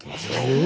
え？